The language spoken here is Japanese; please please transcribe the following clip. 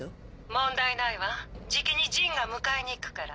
問題ないわじきにジンが迎えに行くから。